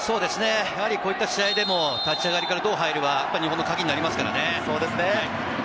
こういった試合でも立ち上がりからどう入れば日本のカギになりますからね。